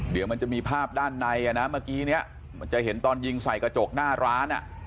เดี๋ยวมันจะมีภาพด้านในอ่ะนะเมื่อกี้เนี่ยมันจะเห็นตอนยิงใส่กระจกหน้าร้านอ่ะ